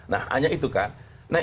nah hanya itu kan